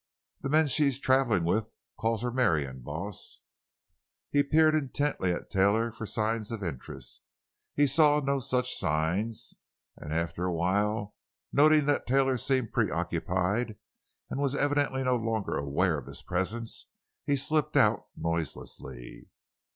"Them men she's travelin' with calls her Marion, boss." He peered intently at Taylor for signs of interest. He saw no such signs, and after a while, noting that Taylor seemed preoccupied, and was evidently no longer aware of his presence, he slipped out noiselessly.